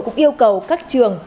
cũng yêu cầu các trường